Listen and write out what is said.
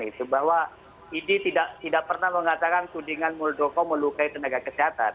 itu bahwa idi tidak pernah mengatakan tudingan muldoko melukai tenaga kesehatan